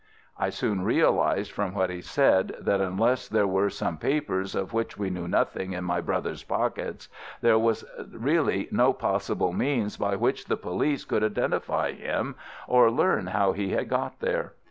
"I soon realized from what he said that unless there were some papers of which we knew nothing in my brother's pockets, there was really no possible means by which the police could identify him or learn how he had got there.